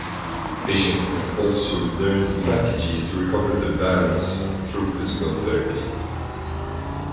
Patients can also learn strategies to recover their balance through physical therapy.